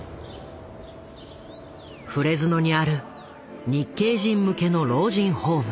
フレズノにある日系人向けの老人ホーム。